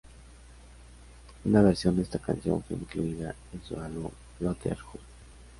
Una versión de esta canción fue incluida en su álbum "Brotherhood".